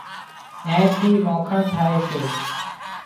اين ٿِي مانکڻ ٿائي سي